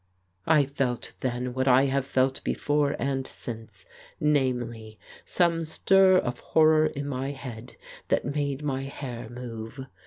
I felt then what I have felt before and since, namely, some stir of horror in my head that made my hair move.